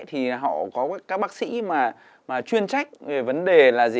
thì họ có các bác sĩ mà chuyên trách về vấn đề là gì